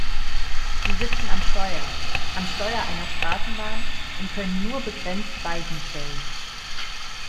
Sie sitzen am Steuer - am Steuer einer Straßenbahn und können nur begrenzt Weichen stellen.